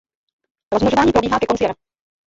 Rozmnožování probíhá ke konci jara.